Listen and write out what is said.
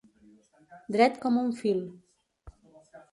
Dret com un fil.